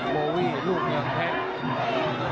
โบวี่ลูกเหลี่ยมเพชร